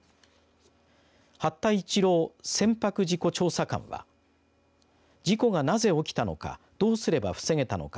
八田一郎船舶事故調査官は事故がなぜ起きたのかどうすれば防げたのか。